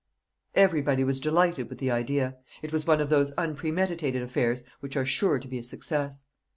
Everybody was delighted with the idea. It was one of those unpremeditated affairs which are sure to be a success.